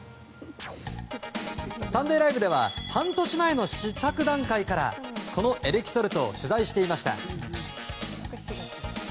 「サンデーＬＩＶＥ！！」では半年前の試作段階からこのエレキソルトを取材していました。